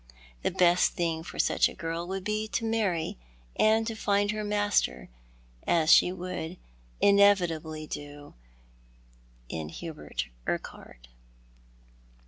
The best thing for such a girl would be to marry, and find her master, as she would inevitably do in Hubert Urquhart.